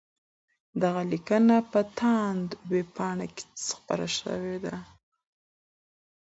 دغه لیکنه په تاند ویبپاڼه کي خپره سوې ده.